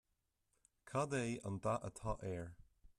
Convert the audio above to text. Cad é an dath atá air